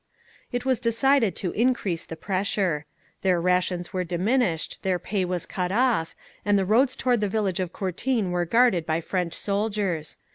"It was decided to increase the pressure; their rations were diminished, their pay was cut off, and the roads toward the village of Courtine were guarded by French soldiers.